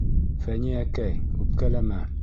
Фәниәкәй, үпкәләмә.